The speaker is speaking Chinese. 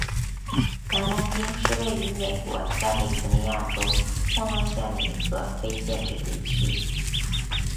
南兰丁是位于美国加利福尼亚州莫诺县的一个非建制地区。